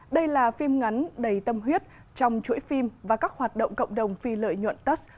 đây là phim ngắn đầy tâm huyết trong chuỗi phim và các hoạt động cộng đồng phi lợi nhuận tuss